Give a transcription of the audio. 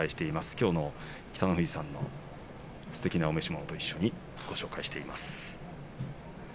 きょうは北の富士さんのすてきなお召し物と一緒に紹介しています。